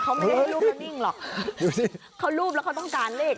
เขาไม่ได้ให้รูปเขานิ่งหรอกดูสิเขารูปแล้วเขาต้องการเลข